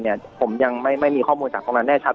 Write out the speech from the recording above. ผมยังไม่มีข้อมูลจากตรงนั้นแน่ชัด